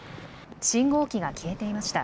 信号機が消えていました。